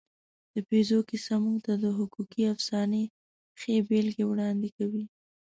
د پيژو کیسه موږ ته د حقوقي افسانې ښې بېلګې وړاندې کوي.